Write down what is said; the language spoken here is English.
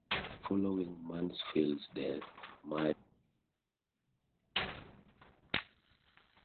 Following Mansfield's death, Murry edited her work.